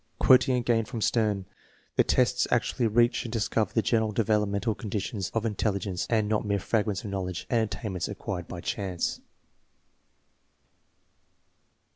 Quoting again from Stern, " The tests actually reach and discover the general developmental conditions of intelli gence, and not mere fragments of knowledge and attain ments acquired by chance."